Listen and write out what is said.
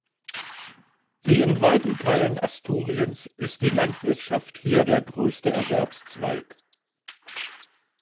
Wie in weiten Teilen Asturiens ist die Landwirtschaft hier der größte Erwerbszweig.